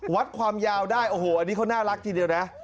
วัดความยาวได้โอ้โหอันนี้เขาน่ารักทีเดียวนะ